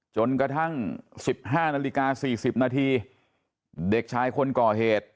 จนกระทั่งสิบห้านาฬิกาสี่สิบนาทีเด็กชายคนก่อเหตุ